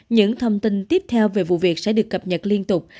những thông tin tiếp theo về vụ việc sẽ được cập nhật liên tục